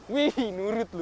wih nurut lu